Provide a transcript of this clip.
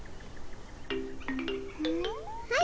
はい。